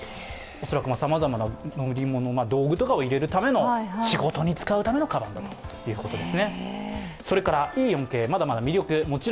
恐らく、さまざまな道具を入れるための仕事に使うために使うかばんだということです。